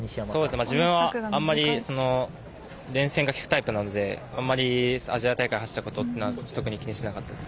自分は連戦がきくタイプなのであまりアジア大会を走ったことは特に気にしなかったです。